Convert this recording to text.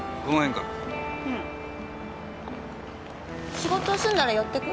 仕事済んだら寄ってく？